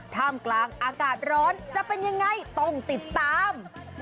ท่ามกลางอากาศร้อนจะเป็นยังไงต้องติดตาม